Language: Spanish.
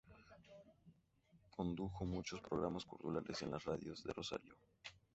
Condujo muchos programas culturales en las radios de Rosario.